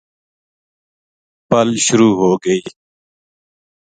پل شروع ہوگئی